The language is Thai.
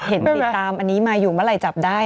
เห็นเป็นอันนี้มาอยู่เมื่อไรจับได้